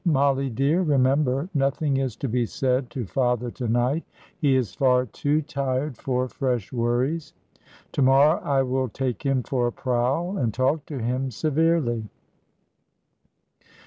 Mollie dear, remember, nothing is to be said to father to night; he is far too tired for fresh worries. To morrow I will take him for a prowl, and talk to him severely.